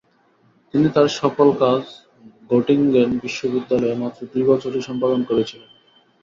তিনি তার সকল কাজ গটিঙেন বিশ্ববিদ্যালয়ে মাত্র দু'বছরেই সম্পাদন করেছিলেন।